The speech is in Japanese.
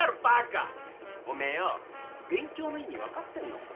おめえよ勉強の意味分かってんの？